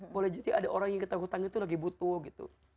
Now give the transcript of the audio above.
boleh jadi ada orang yang kita hutang itu lagi butuh gitu